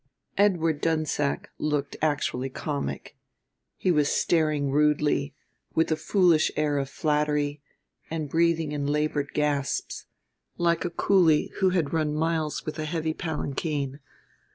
Edward Dunsack looked actually comic: he was staring rudely, with a foolish air of flattery, and breathing in labored gasps like a coolie who had run miles with a heavy palanquin.